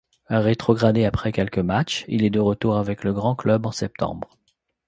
Rétrogradé après quelques matchs, il est de retour avec le grand club en septembre.